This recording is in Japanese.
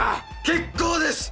結構です。